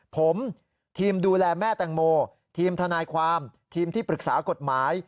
ผมทีมดูแลแม่แตงโมทีมทนายความทีมที่ปรึกษากฎหมาย